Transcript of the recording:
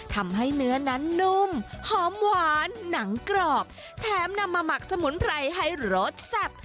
ทำให้เนื้อนั้นนุ่มหอมหวานหนังกรอบแถมนำมาหมักสมุนไพรให้รสแซ่บ